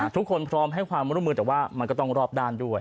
พร้อมให้ความร่วมมือแต่ว่ามันก็ต้องรอบด้านด้วย